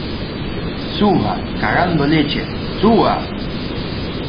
suba, cagando leches. ¡ suba!